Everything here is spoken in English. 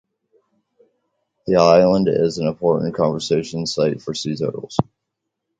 The island is an important conservation site for sea turtles.